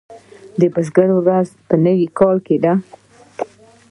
د بزګر ورځ په نوي کال کې ده.